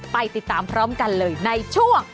ไปติดตามพร้อมกันเลยในช่วง